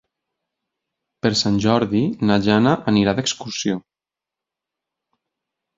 Per Sant Jordi na Jana anirà d'excursió.